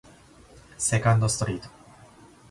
セカンドストリート